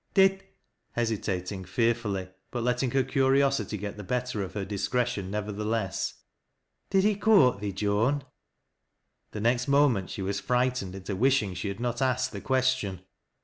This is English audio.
Did " hesitating fearfully, but letting her curiosity get the bet ter of her discretion nevertheless, —" did he court thee, Joan ?" The next moment she was frightened into wishing she had not asked the question.